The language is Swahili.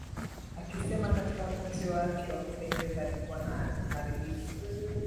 akisema Katika wakati wake wa kupendeza alikuwa na uharibifu